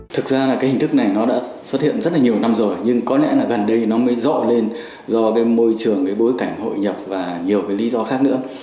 thực ra là cái hình thức này nó đã xuất hiện rất là nhiều năm rồi nhưng có lẽ là gần đây nó mới rộ lên do cái môi trường cái bối cảnh hội nhập và nhiều cái lý do khác nữa